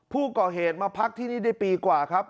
ผู้ก่อเหตุมาพักที่นี่ได้ปีกว่าครับ